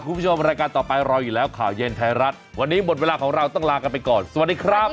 คุณผู้ชมรายการต่อไปรออยู่แล้วข่าวเย็นไทยรัฐวันนี้หมดเวลาของเราต้องลากันไปก่อนสวัสดีครับ